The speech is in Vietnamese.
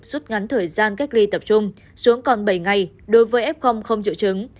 giúp ngắn thời gian cách ly tập trung xuống còn bảy ngày đối với f không trộn trứng